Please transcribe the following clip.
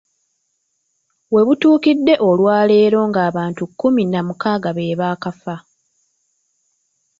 We butuukidde olwaleero ng’abantu kkumi na mukaaga be baakafa.